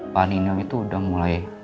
pak nino itu udah mulai